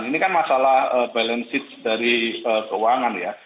ini kan masalah balance sheet dari keuangan ya